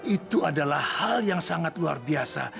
itu adalah hal yang sangat luar biasa